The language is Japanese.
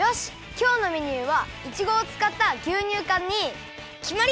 きょうのメニューはいちごをつかったぎゅうにゅうかんにきまり！